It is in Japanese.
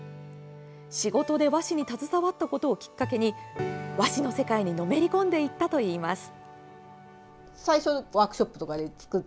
仕事で和紙に携わったことをきっかけに和紙の世界にのめり込んでいったといいます。